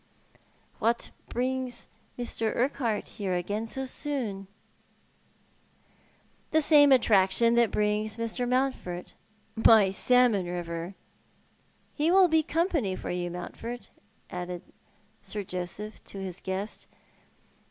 " What brings iMr. Urquhart here again so soon ?" "The same attraction that brings Mr. Mountford — my salmon river. Ho will be company for you, Mountford," added Sir Joseph to his guest.